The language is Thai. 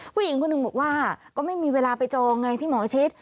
ผู้หญิงคนหนึ่งบอกว่าก็ไม่มีเวลาไปจองไงที่หมอชิด